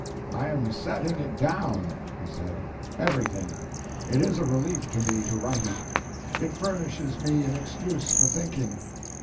"I am setting it down," he said, "everything. It is a relief to me to write it. It furnishes me an excuse for thinking."